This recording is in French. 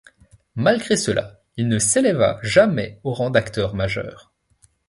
Malgré cela, il ne s'éleva jamais au rang d'acteur majeur.